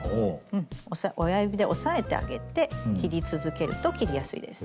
親指で押さえてあげて切り続けると切りやすいです。